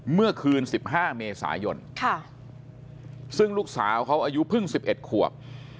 เมื่อคืน๑๕เมษายนซึ่งลูกสาวเขาอายุเพิ่ง๑๑ขวบ